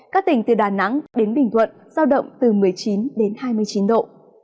các tỉnh từ đà nẵng đến bình thuận giao động từ một mươi chín đến hai mươi chín độ